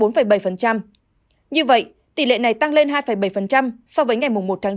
như vậy tỷ lệ này tăng lên hai bảy so với ngày một tháng chín